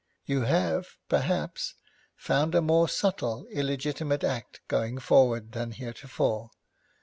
You have, perhaps, found a more subtle illegitimate act going forward than heretofore.